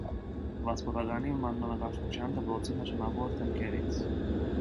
Վասպուրականի մանրանկարչության դպրոցի նշանավոր դեմքերից։